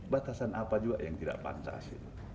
batasan apa juga yang tidak pantas